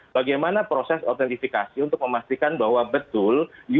bagaimana proses autentifikasi untuk memastikan bahwa kita bisa masuk ke dalam aplikasi tersebut